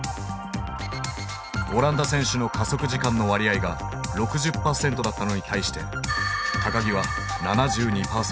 オランダ選手の加速時間の割合が６０％だったのに対して木は７２％。